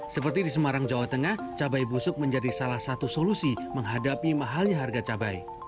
seperti di semarang jawa tengah cabai busuk menjadi salah satu solusi menghadapi mahalnya harga cabai